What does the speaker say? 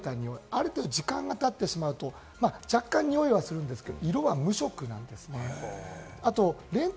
ある程度、時間がたってしまうと若干、においはするんですけれど、色は無色なんですね。